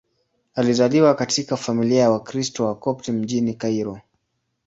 Alizaliwa katika familia ya Wakristo Wakopti mjini Kairo.